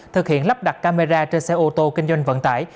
thực hiện lắp đặt camera trên xe ô tô kinh doanh vận tải